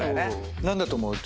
何だと思う？